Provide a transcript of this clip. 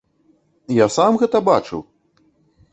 Я сам гэта бачыў!